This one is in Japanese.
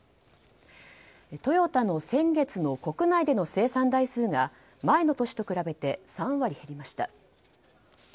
トヨタの先月の国内での生産台数が前の年と比べて３割減りました。